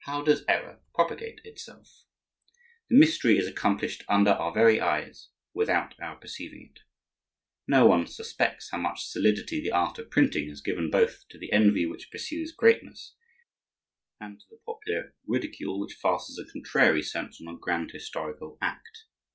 How does error propagate itself? The mystery is accomplished under our very eyes without our perceiving it. No one suspects how much solidity the art of printing has given both to the envy which pursues greatness, and to the popular ridicule which fastens a contrary sense on a grand historical act.